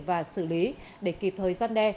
và xử lý để kịp thời gian đe